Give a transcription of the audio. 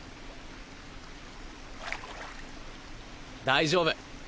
大丈夫。